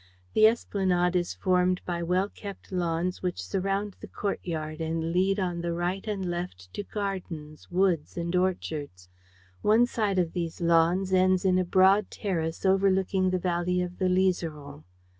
The esplanade is formed by well kept lawns which surround the courtyard and lead on the right and left to gardens, woods and orchards. One side of these lawns ends in a broad terrace overlooking the valley of the Liseron.